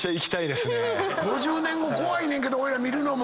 ５０年後怖いねんけど見るのも。